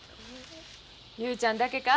雄ちゃんだけか？